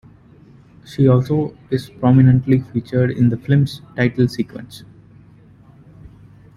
She also is prominently featured in the film's title sequence.